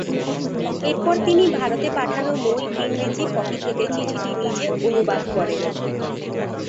এরপর তিনি ভারতে পাঠানো মূল ইংরেজী কপি থেকে চিঠিটি নিজে অনুবাদ করেন।